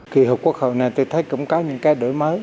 kỳ họp quốc hội này tôi thấy cũng có những cái đổi mới